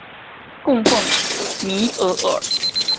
供奉弥额尔。